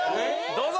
どうぞ！